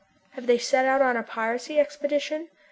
Have they set out on a piracy expedition?